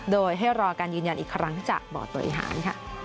โดยให้รอการยืนยันอีกครั้งจากบอร์ตโตรหาร